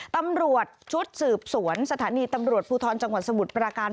ตำรวจชุดสืบสวนสถานีตำรวจภูทรจังหวัดสมุทรปราการ